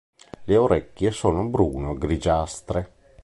Le orecchie sono bruno-grigiastre.